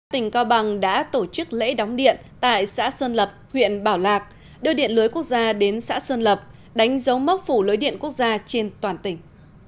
tỉnh cao bằng đã tổ chức lễ đóng điện tại xã sơn lập huyện bảo lạc đưa điện lưới quốc gia đến xã sơn lập đánh dấu mốc phủ lưới điện quốc gia trên toàn tỉnh